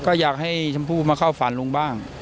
ก็อยากให้ชมพู่มาเข้าฝันลุงบ้าง